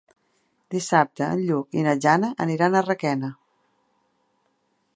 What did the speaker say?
Dissabte en Lluc i na Jana aniran a Requena.